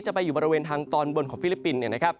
ไปอยู่บริเวณทางตอนบนของฟิลิปปินส์